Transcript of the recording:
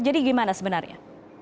jadi gimana sebenarnya